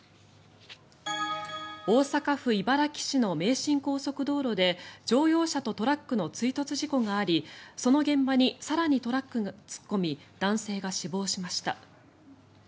大阪府茨木市の名神高速道路で乗用車とトラックの追突事故がありその現場に更にトラックが突っ込み男性が死亡しました。